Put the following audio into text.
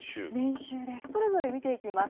それぞれ見ていきます。